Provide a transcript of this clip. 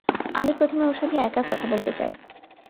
আমি প্রথমে ওর সাথে একা কথা বলতে চাই।